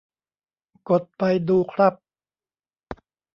กดไปดูครับ